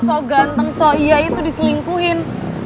so ganteng so iya itu diselingkuhin